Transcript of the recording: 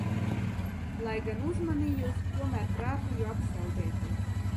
Lai gan uzmanījos – tomēr trāpīju apsaldēties.